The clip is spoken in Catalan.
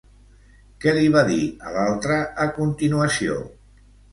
Què li va dir a l'altre a continuació?